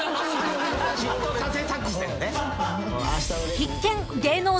［必見！］